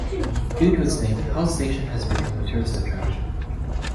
Due to its name, Hell Station has become a tourist attraction.